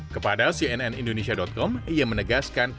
kepada cnn indonesia com ia menegaskan